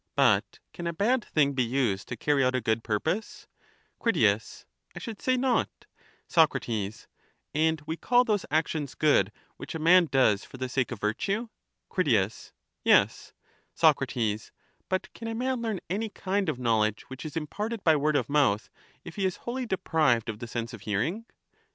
But can a bad thing be used to carry out a good purpos Crit I should say not. Soc. And we call those actions good which a man does far the sake of vinue? Crit. Yes Soc. But can a man learn any kind of knowledge which is imparted by word of mouth if he is wholly deprived of the sense of hearing? 574 Good ends may be attained by bad means. Eryxias.